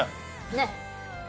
ねっ！